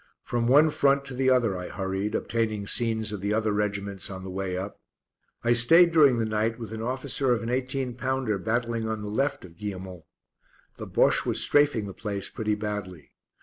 From one front to the other I hurried, obtaining scenes of the other regiments on the way up. I stayed during the night with an officer of an 18 pounder battling on the left of Guillemont. The Bosche was "strafing" the place pretty badly.